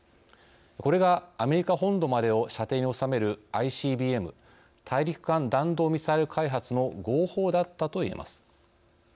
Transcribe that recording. これがアメリカ本土までを射程に収めるＩＣＢＭ大陸間弾道ミサイル開発の号砲だったといえます。